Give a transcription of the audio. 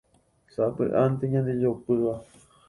sapy'ánte ñandejopýva